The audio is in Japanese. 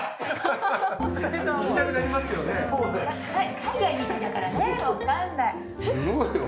海外みたいだからねわかんない。